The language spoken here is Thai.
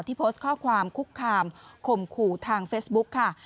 โพสต์ข้อความคุกคามข่มขู่ทางเฟซบุ๊คค่ะ